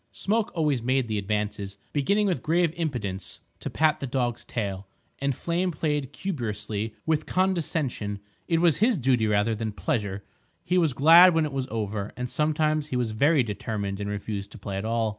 Smoke always made the advances, beginning with grave impudence to pat the dog's tail, and Flame played cumbrously, with condescension. It was his duty, rather than pleasure; he was glad when it was over, and sometimes he was very determined and refused to play at all.